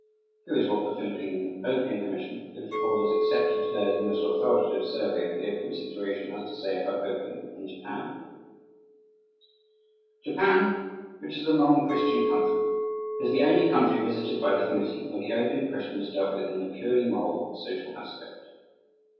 Here is what the Philippine Opium Commission, whose report is accepted to day as the most authoritative survey of the opium situation, has to say about opium in Japan: "Japan, which is a non Christian country, is the only country visited by the committee where the opium question is dealt with in the purely moral and social aspect....